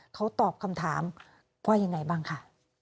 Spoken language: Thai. เขาตอบคำถามว่ายังไงบ้างค่ะ